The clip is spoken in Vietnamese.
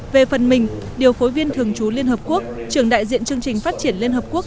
về phần mình điều phối viên thường trú liên hợp quốc trưởng đại diện chương trình phát triển liên hợp quốc